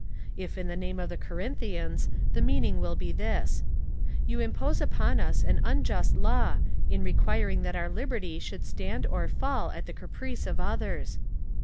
If in the name of the Corinthians, the meaning will be this: "You impose upon us an unjust law, in requiring that our liberty should stand or fall at the caprice of others."